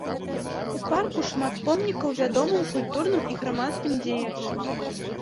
У парку шмат помнікаў вядомым культурным і грамадскім дзеячам.